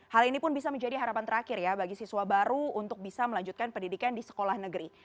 hal ini pun bisa menjadi harapan terakhir ya bagi siswa baru untuk bisa melanjutkan pendidikan di sekolah negeri